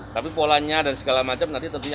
tapi polanya dan segala macam nanti tentunya